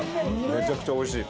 めちゃくちゃおいしい。